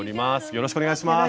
よろしくお願いします。